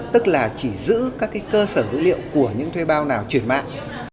tức là chỉ giữ các cơ sở dữ liệu của những thuê bao nào chuyển mạng